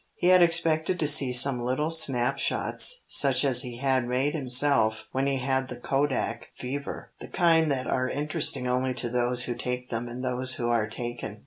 He had expected to see some little snap shots such as he had made himself when he had the kodak fever, the kind that are interesting only to those who take them and those who are taken.